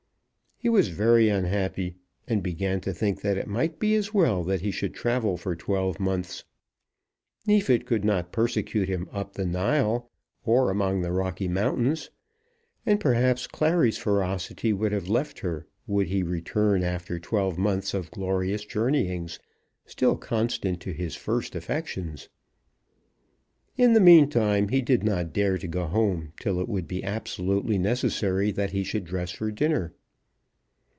He was very unhappy, and began to think that it might be as well that he should travel for twelve months. Neefit could not persecute him up the Nile, or among the Rocky Mountains. And perhaps Clary's ferocity would have left her were he to return after twelve months of glorious journeyings, still constant to his first affections. In the meantime he did not dare to go home till it would be absolutely necessary that he should dress for dinner.